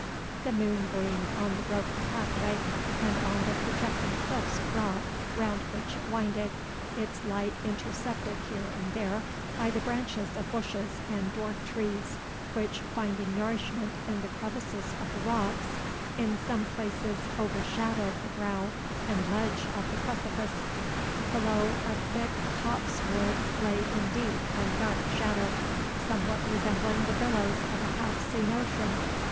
The moon gleamed on the broken pathway, and on the projecting cliffs of rock round which it winded, its light intercepted here and there by the branches of bushes and dwarf trees, which, finding nourishment in the crevices of the rocks, in some places overshadowed the brow and ledge of the precipice. Below, a thick copse wood lay in deep and dark shadow, somewhat resembling the billows of a half seen ocean.